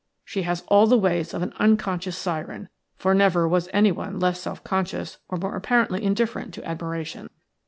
She has all the ways of an unconscious syren, for never was anyone less self conscious or more apparently indifferent to admiration."